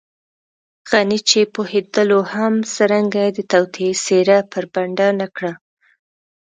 غني چې پوهېدلو هم څرنګه يې د توطیې څېره بربنډه نه کړه.